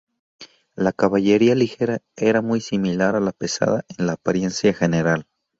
La caballería ligera era muy similar a la pesada en la apariencia general.